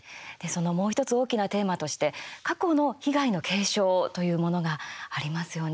もう１つ大きなテーマとして過去の被害の継承というものがありますよね。